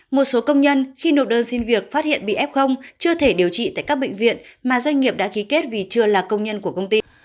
một số công nhân khi nộp đơn xin việc phát hiện bị f chưa thể điều trị tại các bệnh viện mà doanh nghiệp đã ký kết vì chưa là công nhân của công ty